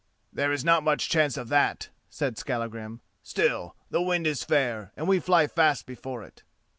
"There is not much chance of that," said Skallagrim; "still, the wind is fair, and we fly fast before it."